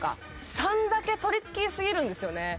３だけトリッキーすぎるんですよね。